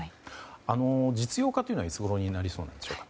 実用化というのはいつごろになりそうでしょうか。